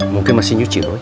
mungkin masih nyuci doi